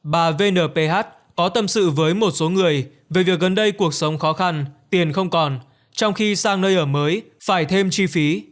bà vnph có tâm sự với một số người về việc gần đây cuộc sống khó khăn tiền không còn trong khi sang nơi ở mới phải thêm chi phí